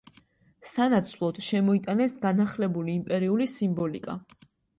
სანაცვლოდ, შემოიტანეს განახლებული იმპერიული სიმბოლიკა.